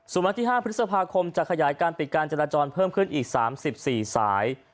ส่วนวันที่๕พฤษภาคมจะขยายการปิดการจราจรเพิ่มขึ้นอีก๓๔สาย